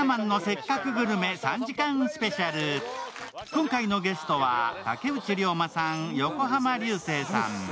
今回のゲストは竹内涼真さん、横浜流星さん。